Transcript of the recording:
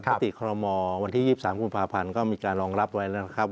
ติคอรมอวันที่๒๓กุมภาพันธ์ก็มีการรองรับไว้แล้วนะครับ